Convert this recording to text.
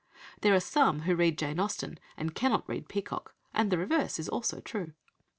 There are some who read Jane Austen and cannot read Peacock, and the reverse is also true.